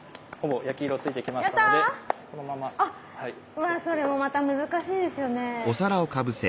うわそれもまた難しいですよね。